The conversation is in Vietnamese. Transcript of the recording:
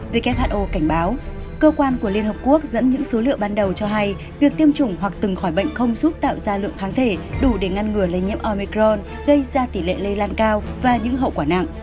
who cảnh báo cơ quan của liên hợp quốc dẫn những số liệu ban đầu cho hay việc tiêm chủng hoặc từng khỏi bệnh không giúp tạo ra lượng kháng thể đủ để ngăn ngừa lây nhiễm omicron gây ra tỷ lệ lây lan cao và những hậu quả nặng